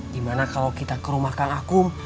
dimana kalau kita ke rumah kang akum